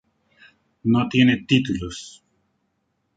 No tiene títulos.